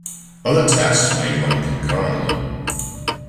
Other tasks may run concurrently.